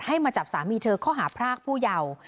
มาจับสามีเธอข้อหาพรากผู้เยาว์